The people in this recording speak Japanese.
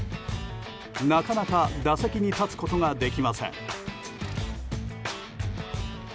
なかなか打席に立つことができません。